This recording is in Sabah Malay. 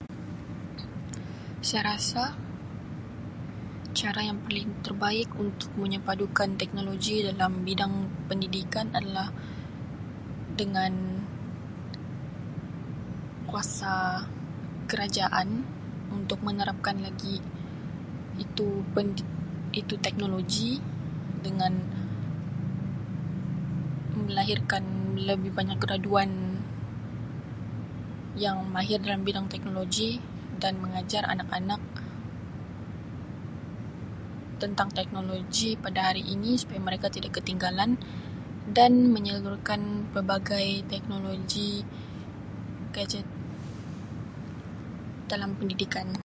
"Saya rasa cara yang paling terbaik untuk menyepadukan teknologi dalam bidang pendidikan adalah dengan kuasa kerajaan untuk menerapkan lagi itu pendi- itu teknologi dengan melahirkan lebih banyak graduan yang mahir dalam bidang teknologi dan mengajar anak-anak tentang teknologi pada hari ini supaya mereka tidak ketinggalan dan menyalurkan pelbagai teknologi, ""gadget"" dalam pendidikan. "